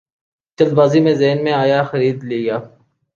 جلد بازی میں ذہن میں آیا خرید لیا